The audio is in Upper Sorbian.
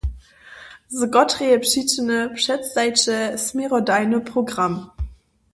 Z kotreje přičiny předstajiće směrodajny program?